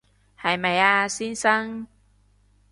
係咪啊，先生